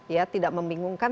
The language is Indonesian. ya tidak membingungkan